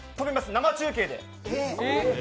生中継で。